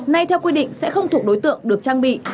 nay theo quy định sẽ không thuộc đối tượng được trang bị